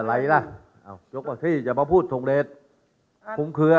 อะไรล่ะเอ้ายกกว่าที่อย่ามาพูดสงเดชคุมเครือ